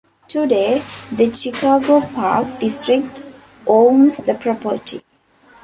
Today, the Chicago Park District owns the property.